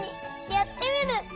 やってみる！